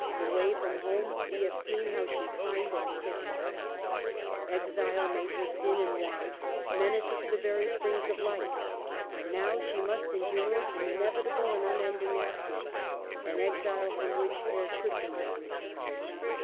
Away from home we have seen how she pined and sickened. EMILY'S DEATH. 299 Exile made her thin and wan, menaced the very springs of life. And now she must endure an inevitable and unending absence, an exile from which there could be no return.